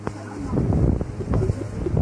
پښتو له ډېرو ژبو څخه نږدې ده.